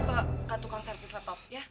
kamu ke tukang servis laptop ya